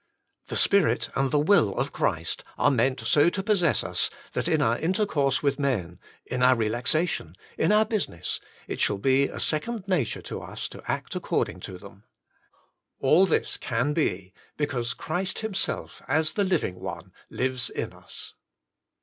The spirit and the will of Christ are meant so to possess us that in our intercourse with men, in our relaxation, in our business, it shall be a second nature to us to act according to them. All this can be, because Christ Himself, as the Living One, lives in us.